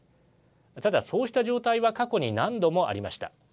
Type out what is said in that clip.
ただ、そうした状態は過去に何度もありました。